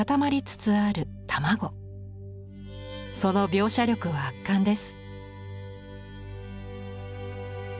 その描写力は圧巻です。